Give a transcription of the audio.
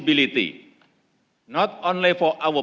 bukan hanya untuk orang orang kita